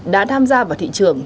đã tham gia vào thị trường